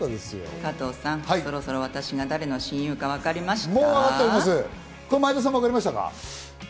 加藤さん、そろそろ私が誰の親友かわかりました？